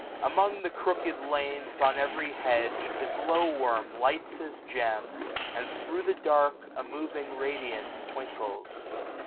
1680 Among the crooked lanes, on every hedge. The glow worm lights his gem ; and, thro* the dark, A moving radiance twinkles.